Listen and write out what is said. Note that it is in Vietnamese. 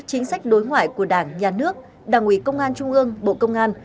chính sách đối ngoại của đảng nhà nước đảng ủy công an trung ương bộ công an